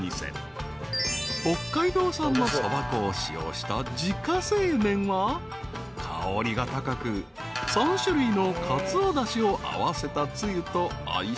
［北海道産のそば粉を使用した自家製麺は香りが高く３種類のかつおだしを合わせたつゆと相性抜群］